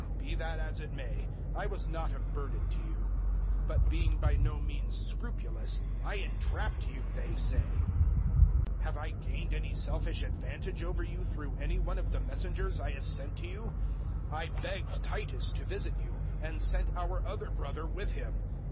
Be that as it may: I was not a burden to you. But being by no means scrupulous, I entrapped you, they say! 012:017 Have I gained any selfish advantage over you through any one of the messengers I have sent to you? 012:018 I begged Titus to visit you, and sent our other brother with him.